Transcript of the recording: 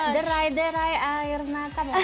derai derai air mata